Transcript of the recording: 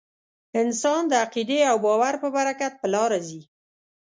انسان د عقیدې او باور په برکت په لاره ځي.